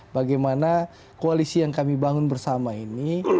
bagaimana koalisi yang kami bangun bersama ini